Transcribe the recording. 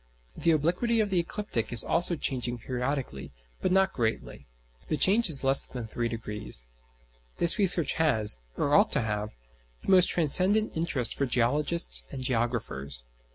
The obliquity of the ecliptic is also changing periodically, but not greatly: the change is less than three degrees. This research has, or ought to have, the most transcendent interest for geologists and geographers.